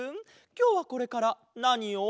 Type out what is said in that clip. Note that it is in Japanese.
きょうはこれからなにを？